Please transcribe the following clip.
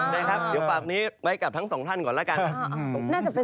นะครับเดี๋ยวฝากนี้ไว้กับทั้งสองท่านก่อนแล้วกัน